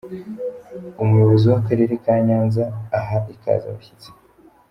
Umuyobozi w'akarere ka Nyanza aha ikaze abashyitsi.